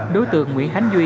đối tượng nguyễn khánh duy